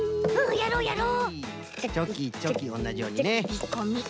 やろうやろう！